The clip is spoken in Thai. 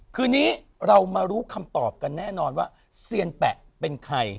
คืนนี้เรามารู้คำตอบกันแน่นอนว่าเซียนแปะเป็นใคร